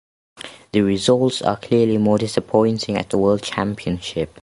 The results are clearly more disappointing at the World Championship.